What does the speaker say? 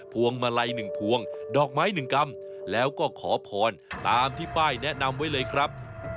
พวงมาลัย๑พวงดอกไม้๑กรัมแล้วก็ขอพรตามที่ป้ายแนะนำไว้เลยครับ